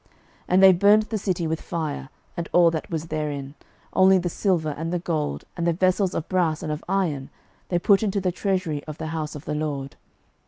06:006:024 And they burnt the city with fire, and all that was therein: only the silver, and the gold, and the vessels of brass and of iron, they put into the treasury of the house of the LORD.